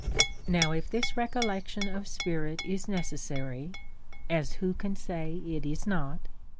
Now, if this recollection of spirit is necessary, as who can say it is not?